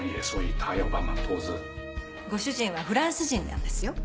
ご主人はフランス人なんですよ。